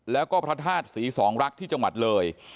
แล้วก็พระธาตุศรีสองรักที่จังหวัดเลย